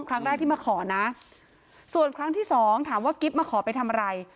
ครั้งแรกที่มาขอนะส่วนครั้งที่สองถามว่ากิ๊บมาขอไปทำอะไร